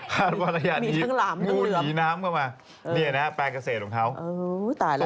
ฮารณวัฒระงานนี้งูหนีน้ำเข้ามาภรรยานี้แปรเกษตรของเขาโอ้โฮตายแล้ว